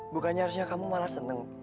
bukannya harusnya kamu malah seneng